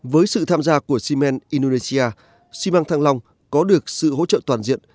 với sự tham gia của siemens indonesia simang thang long có được sự hỗ trợ toàn diện